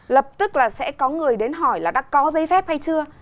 lập tức là sẽ có người đến hỏi là đã có giấy phép hay chưa